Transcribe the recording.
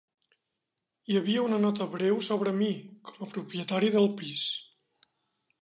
Hi havia una nota breu sobre mi, com a propietari del pis.